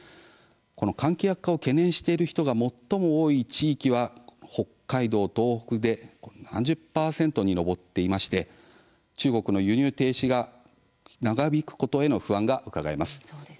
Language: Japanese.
関係悪化を懸念している人が最も多い地域は北海道、東北で７０％に上っていまして中国の輸入停止が長引くことへの不安がうかがえます。